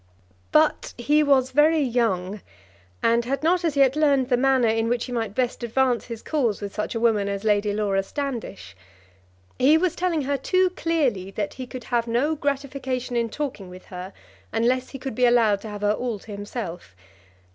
But he was very young, and had not as yet learned the manner in which he might best advance his cause with such a woman as Lady Laura Standish. He was telling her too clearly that he could have no gratification in talking with her unless he could be allowed to have her all to himself.